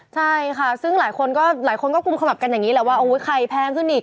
ใช่ค่ะซึ่งหลายคนก็หลายคนก็กุมขมับกันอย่างนี้แหละว่าไข่แพงขึ้นอีก